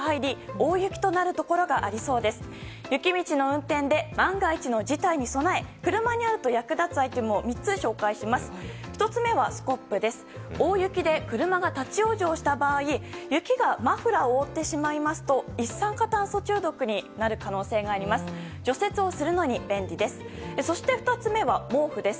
大雪で車が立ち往生した場合雪がマフラーを覆ってしまいますと一酸化炭素中毒になる可能性があります。